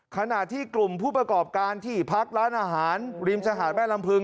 ขณะที่กลุ่มผู้ประกอบการที่พักร้านอาหารริมชายหาดแม่ลำพึง